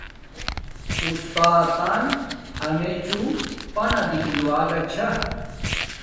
اُستاتن امیچوں پانا دیکھل وگا چھا